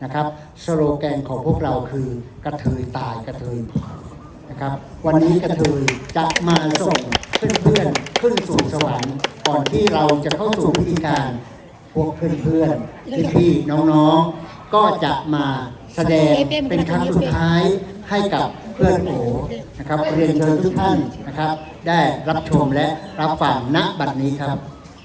กระทืยตายกระทืยนะครับวันนี้กระทืยจะมาส่งเพื่อนเพื่อนขึ้นสู่สวรรค์ก่อนที่เราจะเข้าสู่วิธีการพวกเพื่อนเพื่อนพี่พี่น้องน้องก็จะมาแสดงเป็นครั้งสุดท้ายให้กับเพื่อนโหนะครับเรียนเชิญทุกท่านนะครับได้รับชมและรับฝังนักบันนี้ครับ